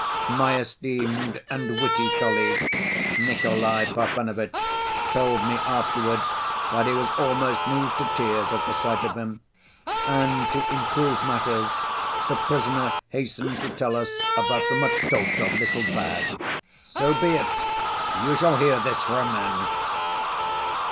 My esteemed and witty colleague, Nikolay Parfenovitch, told me afterwards that he was almost moved to tears at the sight of him. And to improve matters, the prisoner hastened to tell us about the much‐talked‐of little bag—so be it, you shall hear this romance!